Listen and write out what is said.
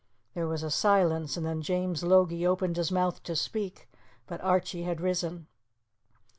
There was a silence, and then James Logie opened his mouth to speak, but Archie had risen.